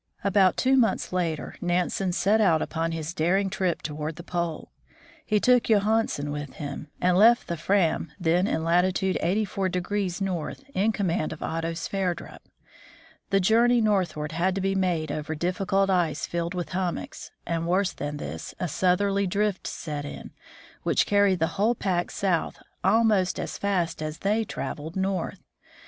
About two months later, Nansen set out upon his daring trip toward the pole. He took Johansen with him, and THE VOYAGE OF THE FRAM 1 27 left the Fram, then in latitude 84 north, in command of Otto Sverdrup. The journey northward had to be made over difficult ice filled with hummocks, and, worse than this, a southerly drift set in, which carried the whole pack south almost as fast as they traveled north.